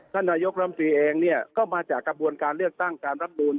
นายกรัมตรีเองเนี่ยก็มาจากกระบวนการเลือกตั้งการรับบูล